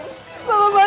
tapi kamu jangan